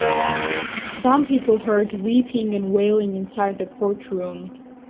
Some people heard weeping and wailing inside the court room.